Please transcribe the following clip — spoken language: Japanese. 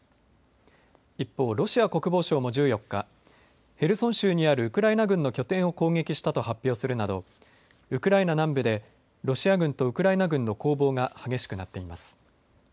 一方、ロシア国防省も１４日、ヘルソン州にあるウクライナ軍の拠点を攻撃したと発表するなどウクライナ南部でロシア軍とウクライナ軍の攻防が激しくなっています。